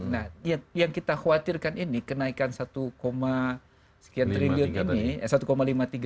nah yang kita khawatirkan ini kenaikan satu sekian triliun ini